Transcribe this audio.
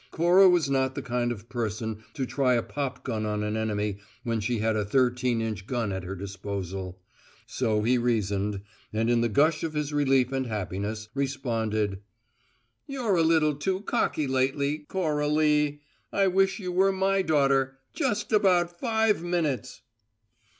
Cora was not the kind of person to try a popgun on an enemy when she had a thirteen inch gun at her disposal; so he reasoned; and in the gush of his relief and happiness, responded: "You're a little too cocky lately, Cora lee: I wish you were my daughter just about five minutes!"